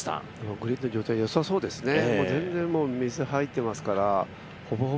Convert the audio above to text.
グリーンの状態、よさそうですね。